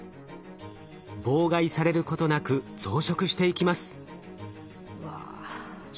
妨害されることなく増殖していきます。